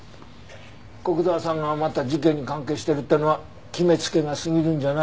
古久沢さんがまた事件に関係してるってのは決め付けが過ぎるんじゃない？